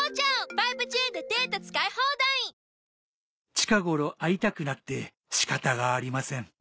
近頃会いたくなって仕方がありません。